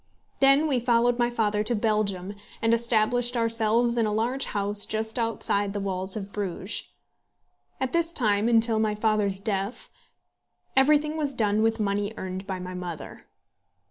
Then we followed my father to Belgium, and established ourselves in a large house just outside the walls of Bruges. At this time, and till my father's death, everything was done with money earned by my mother.